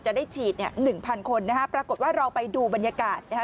จะได้ฉีดเนี่ยหนึ่งพันคนนะฮะปรากฏว่าเราไปดูบรรยากาศนะฮะ